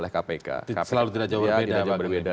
kpk selalu tidak jauh berbeda